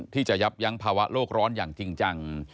ที่จะยับยั้งภาวะโลกร้อนอย่างจริงจัง